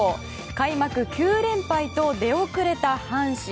開幕９連敗と出遅れた阪神。